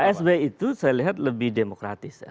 pak sby itu saya lihat lebih demokratis